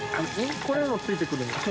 これもついてくるんですか？